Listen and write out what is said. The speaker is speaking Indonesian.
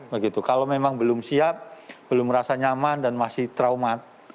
begitu kalau memang belum siap belum merasa nyaman dan masih traumat